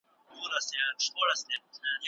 خو په پای کي افغانان بریالي شول.